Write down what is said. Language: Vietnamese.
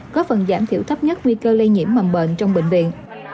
có phần giảm thiểu thấp nhất nguy cơ lây nhiễm mầm bệnh trong bệnh viện